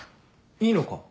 いいのか？